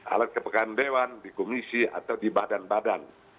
alat kepegangan dewan di komisi atau di badan badan